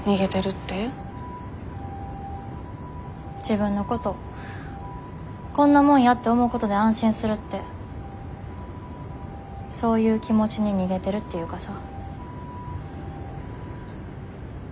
自分のことこんなもんやって思うことで安心するってそういう気持ちに逃げてるっていうかさ。